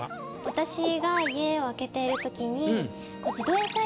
私が家を空けているときに。